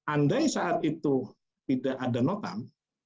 andai saat itu tidak ada notam